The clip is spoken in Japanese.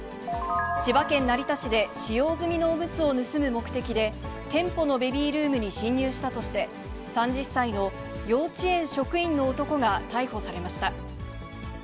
千葉県成田市で、使用済みのおむつを盗む目的で、店舗のベビールームに侵入したとして、３０歳の幼稚園職員の男が逮捕されました。